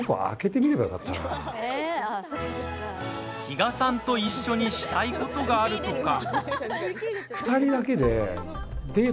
比嘉さんと一緒にしたいことがあるとか。